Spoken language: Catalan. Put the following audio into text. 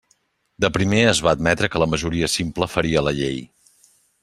De primer es va admetre que la majoria simple faria la llei.